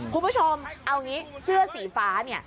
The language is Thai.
คุณผู้ชมเอางี้เสื้อสีฟ้าเนี่ย